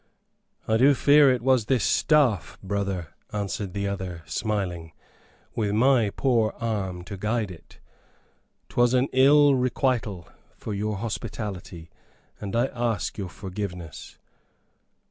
"I do fear it was this staff, brother," answered the other, smiling, "with my poor arm to guide it. 'Twas an ill requital for your hospitality, and I ask your forgiveness."